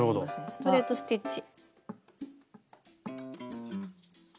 ストレート・ステッチ。